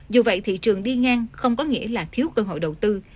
dù vậy thị trường đi ngang không có nghĩa là thiếu cơ hội đầu tư